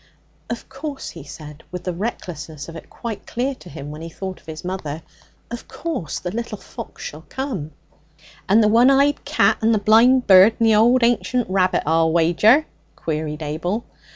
'Of course,' he said, and the recklessness of it was quite clear to him when he thought of his mother 'of course, the little fox shall come.' 'And the one eyed cat and the blind bird and the old ancient rabbit, I'll wager!' queried Abel.